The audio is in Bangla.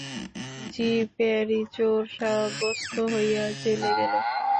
ঝি প্যারী চোর সাব্যস্ত হইয়া জেলে গেল।